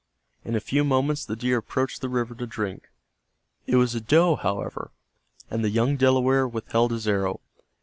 In a few moments the deer approached the river to drink. It was a doe, however, and the young Delaware withheld his arrow.